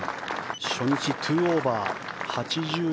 初日、２オーバー８０位